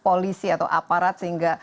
polisi atau aparat sehingga